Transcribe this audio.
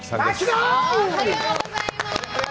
おはようございます。